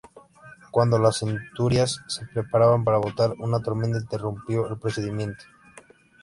Cuando las centurias se preparaban para votar, una tormenta interrumpió el procedimiento.